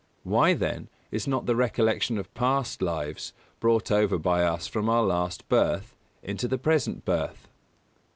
Why, then, is not the recollection of past lives brought over by us from our last birth, into the present birth?